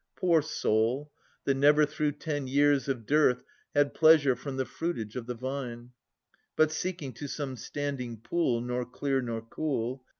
Poor soul, that never through ten years of dearth Had pleasure from the fruitage of the vine, But seeking to some standing pool, Nor clear nor cool.